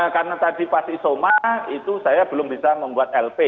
karena tadi pas isoma itu saya belum bisa membuat lp